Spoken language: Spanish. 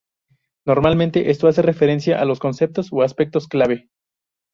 Normalmente, esto hace referencia a los conceptos o aspectos clave.